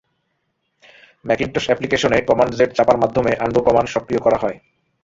Macintosh অ্যাপ্লিকেশনে, command-Z চাপার মাধ্যমে আনডো কমান্ড সক্রিয় করা হয়।